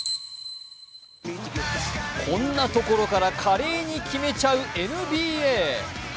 こんなところから華麗に決めちゃうＮＢＡ。